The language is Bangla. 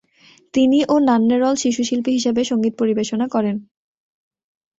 তিনি ও নান্নেরল শিশুশিল্পী হিসেবে সঙ্গীত পরিবেশনা করেন।